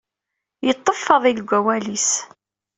Yeṭṭef Faḍil deg wawal-is.